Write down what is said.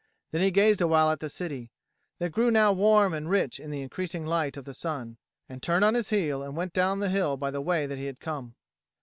Then he gazed awhile at the city, that grew now warm and rich in the increasing light of the sun, and turned on his heel and went down the hill by the way that he had come.